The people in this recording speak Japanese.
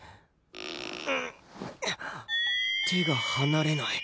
手が離れない